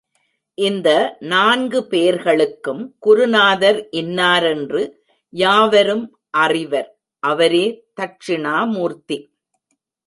இந்த நான்கு பேர்களுக்கும் குருநாதர் இன்னாரென்று யாவரும் அறிவர் அவரே தட்சிணாமூர்த்தி.